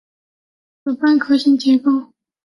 此半壳型结构可有效的将气动力分布到机体各处。